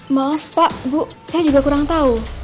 maaf pak bu saya juga kurang tahu